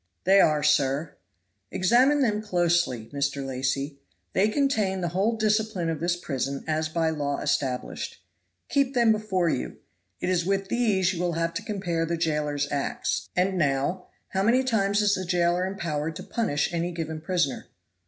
"They are, sir." "Examine them closely, Mr. Lacy; they contain the whole discipline of this prison as by law established. Keep them before you. It is with these you will have to compare the jailer's acts. And now, how many times is the jailer empowered to punish any given prisoner?"